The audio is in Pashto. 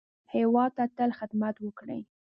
هېواد ته تل خدمت وکړئ